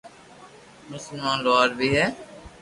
مسمان لوھار بي ھي